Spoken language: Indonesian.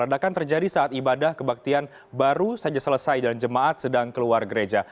ledakan terjadi saat ibadah kebaktian baru saja selesai dan jemaat sedang keluar gereja